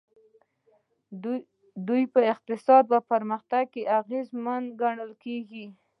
دوی په اقتصادي پرمختګ کې اغېزمنې ګڼل شوي.